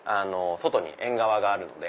外に縁側があるので。